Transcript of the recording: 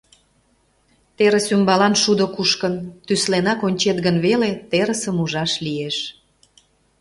Терыс ӱмбалан шудо кушкын, тӱсленак ончет гын веле, терысым ужаш лиеш.